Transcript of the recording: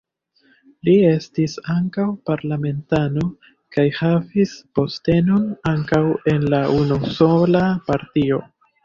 Li estis ankaŭ parlamentano kaj havis postenon ankaŭ en la unusola partio.